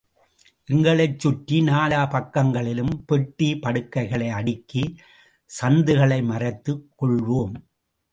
எங்களைச் சுற்றி நாலா பக்கங்களிலும் பெட்டி, படுக்கைகளை அடுக்கி சந்துகளை மறைத்துக் கொள்வோம்.